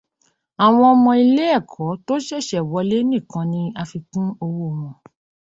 Àwọn ọmọ ilé ẹ̀kọ́ tó ṣẹ̀ṣẹ̀ wọlé nìkan ni àfikún owó wọn.